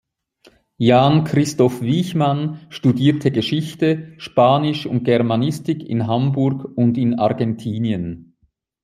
Jan Christoph Wiechmann studierte Geschichte, Spanisch und Germanistik in Hamburg und in Argentinien.